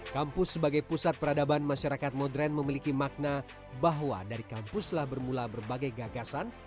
kampus sebagai pusat peradaban masyarakat modern memiliki makna bahwa dari kampuslah bermula berbagai gagasan